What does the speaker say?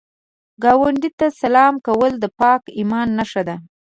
ګاونډي ته سلام کول د پاک ایمان نښه ده